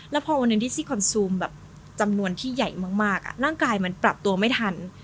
แล้วพอวันหนึ่งที่ซี่คอนซูมแบบจำนวนที่ใหญ่มากร่างกายมันปรับตัวไม่ทัน